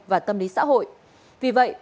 và tâm lý xã hội vì vậy